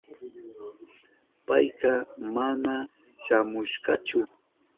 Payka mana shamushkachu.